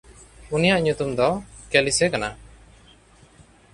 ᱩᱱᱤᱭᱟᱜ ᱧᱩᱛᱩᱢ ᱫᱚ ᱠᱮᱞᱤᱥᱮ ᱠᱟᱱᱟ᱾